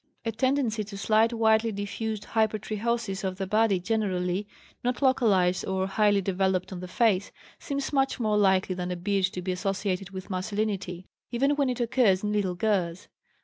A tendency to slight widely diffused hypertrichosis of the body generally, not localized or highly developed on the face, seems much more likely than a beard to be associated with masculinity, even when it occurs in little girls.